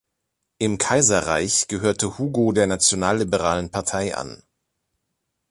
Im Kaiserreich gehörte Hugo der Nationalliberalen Partei an.